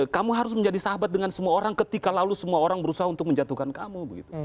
kamu harus menjadi sahabat dengan semua orang ketika lalu semua orang berusaha untuk menjatuhkan kamu